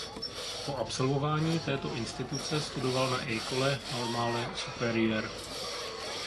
Po absolvování této instituce studoval na École normale supérieure.